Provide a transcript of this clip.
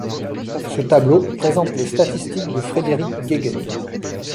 Ce tableau présente les statistiques de Frédéric Guéguen.